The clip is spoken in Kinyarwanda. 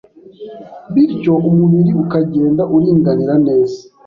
bityo umubiri ukagenda uringanira neza,